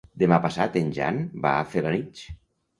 Demà passat en Jan va a Felanitx.